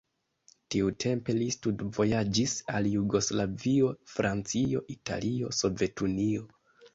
Tiutempe li studvojaĝis al Jugoslavio, Francio, Italio, Sovetunio.